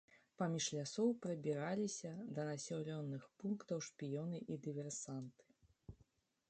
Паміж лясоў прабіраліся да населеных пунктаў шпіёны і дыверсанты.